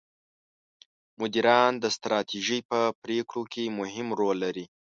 مدیران د ستراتیژۍ په پرېکړو کې مهم رول لري.